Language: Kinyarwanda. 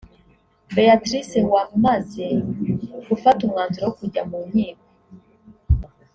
Beatrice wamaze gufata umwanzuro wo kujya mu nkiko